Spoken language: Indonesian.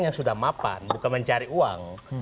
yang sudah mapan bukan mencari uang